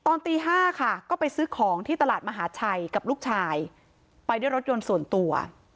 ตอนตี๕ค่ะก็ไปซื้อของที่ตลาดมหาชัยกับลูกชายไปด้วยรถยนต์ส่วนตัว